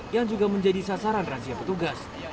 yang juga menjadi sasaran razia petugas